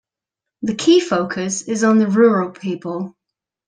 The key focus is on the rural people.